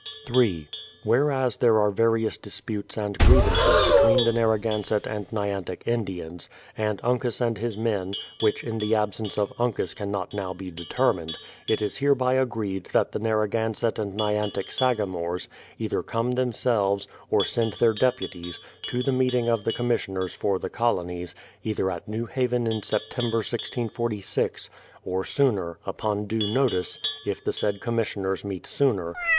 3. Whereas there are various disputes and grievances between the Narragansett and Nyantick Indians, and Uncas and his men, which in the absence of Uncas cannot now be determined, it is hereby agreed that the Narragansett and Nyantick sagamores, either come themselves, or send their deputies, to the meeting of the commis sioners for the Colonies, either at New Haven in September, 1646, ■— or sooner, upon due notice, if the said commissioners meet sooner.